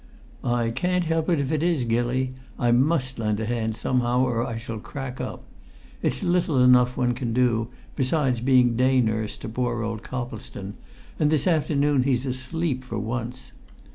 "I can't help it if it is, Gilly! I must lend a hand somehow or I shall crack up. It's little enough one can do, besides being day nurse to poor old Coplestone, and this afternoon he's asleep for once.